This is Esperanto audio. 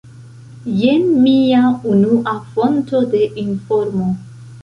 Jen mia unua fonto de informo.